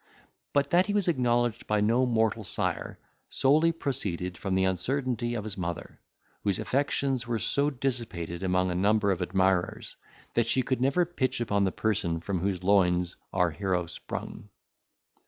But, that he was acknowledged by no mortal sire, solely proceeded from the uncertainty of his mother, whose affections were so dissipated among a number of admirers, that she could never pitch upon the person from whose loins our hero sprung.